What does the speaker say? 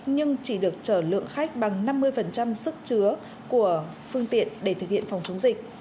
nhưng chỉ được chở lượng khách bằng năm mươi sức chứa của phương tiện để thực hiện phòng chống dịch